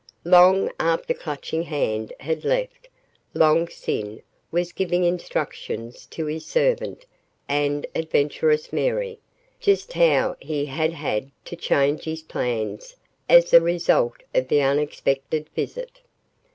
Long after Clutching Hand had left, Long Sin was giving instructions to his servant and Adventuress Mary just how he had had to change his plans as a result of the unexpected visit.